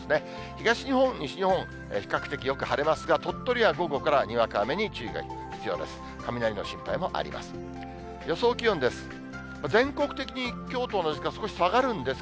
東日本、西日本、比較的よく晴れますが、鳥取は午後からにわか雨に注意が必要です。